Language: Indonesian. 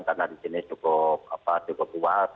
karena di sini cukup kuat